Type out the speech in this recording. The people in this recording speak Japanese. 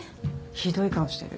ひどい顔してる。